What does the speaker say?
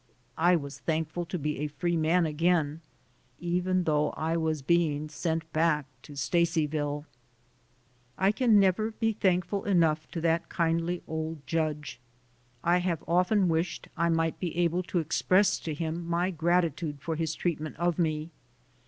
I was thankful to be a free man again, even though I was being sent back to Stacyville. I can never be thankful enough to that kindly old judge. I have often wished I might be able to express to him my gratitude for his treatment of me.